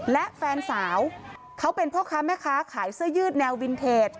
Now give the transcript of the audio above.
และแฟนสาวเขาเป็นพ่อค้าแม่ค้าขายเสื้อยืดแนววินเทจ